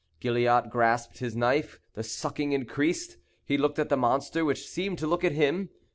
Gilliatt grasped his knife; the sucking increased. He looked at the monster, which seemed to look at him.